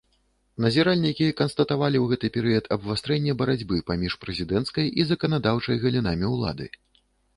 Назіральнікі канстатавалі ў гэты перыяд абвастрэнне барацьбы паміж прэзідэнцкай і заканадаўчай галінамі ўлады.